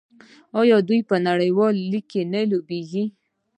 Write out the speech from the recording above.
آیا دوی په نړیوال لیګ کې نه لوبېږي؟